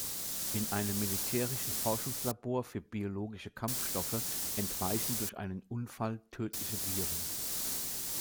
In einem militärischen Forschungslabor für biologische Kampfstoffe entweichen durch einen Unfall tödliche Viren.